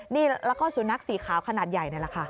นี่แล้วก็สุนัขสีขาวขนาดใหญ่นี่แหละค่ะ